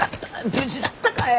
無事だったかえ！